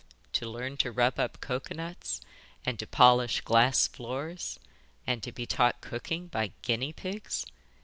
To learn to rub up cocoa nuts, and to polish glass floors, and to be taught cooking by guinea pigs!